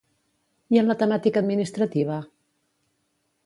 I en la temàtica administrativa?